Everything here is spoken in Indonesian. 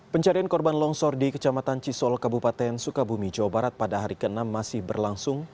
pencarian korban longsor di kecamatan cisol kabupaten sukabumi jawa barat pada hari ke enam masih berlangsung